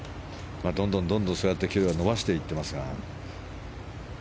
どんどんそうやって距離を伸ばしていってますが。